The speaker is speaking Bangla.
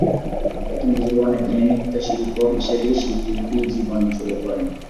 প্রথম জীবনে তিনি নৃত্যশিল্পী হিসাবে শিল্পী জীবন শুরু করেন।